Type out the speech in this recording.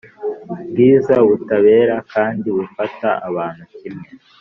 Bwiza butabera kandi bufata abantu kimwe